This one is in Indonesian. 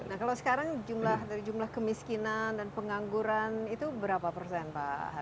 nah kalau sekarang dari jumlah kemiskinan dan pengangguran itu berapa persen pak